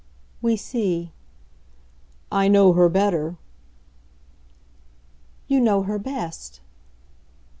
"We see." "I know her better." "You know her best."